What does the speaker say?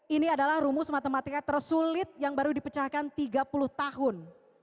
ini adalah rumus matematika tersulit yang baru dipecahkan tiga puluh tahun